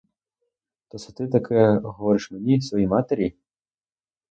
То це ти таке говориш мені, своїй матері?